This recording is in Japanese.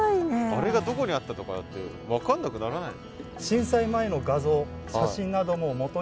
あれがどこにあったとかって分かんなくならないの？